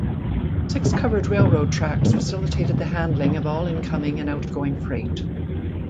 Six covered railroad tracks facilitated the handling of all incoming and outgoing freight.